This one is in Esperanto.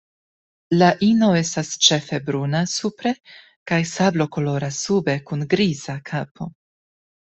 La ino estas ĉefe bruna supre kaj sablokolora sube, kun griza kapo.